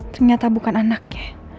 ternyata bukan anaknya